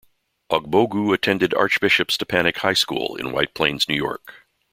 Ogbogu attended Archbishop Stepinac High School in White Plains, New York.